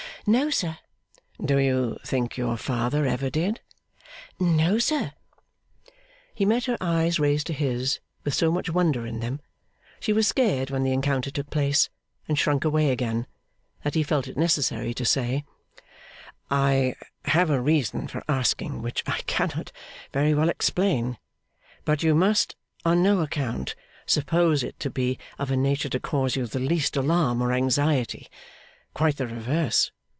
'No, sir.' 'Do you think your father ever did?' 'No, sir.' He met her eyes raised to his with so much wonder in them (she was scared when the encounter took place, and shrunk away again), that he felt it necessary to say: 'I have a reason for asking, which I cannot very well explain; but you must, on no account, suppose it to be of a nature to cause you the least alarm or anxiety. Quite the reverse.